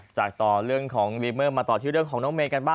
จากต่อเรื่องของลีเมอร์มาต่อที่เรื่องของน้องเมย์กันบ้าง